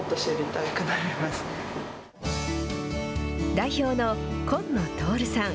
代表の今野徹さん。